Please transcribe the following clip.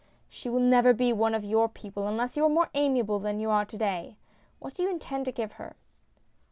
" She will never be one of your people unless you are more amiable than you are to day. What do you intend to give her